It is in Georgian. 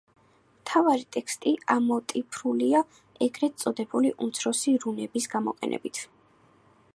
მთავარი ტექსტი ამოტვიფრულია ეგრეთ წოდებული „უმცროსი რუნების“ გამოყენებით.